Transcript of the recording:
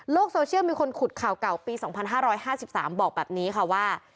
โซเชียลมีคนขุดข่าวเก่าปี๒๕๕๓บอกแบบนี้ค่ะว่า